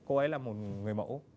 cô ấy là một người mẫu